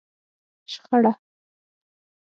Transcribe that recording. شخړه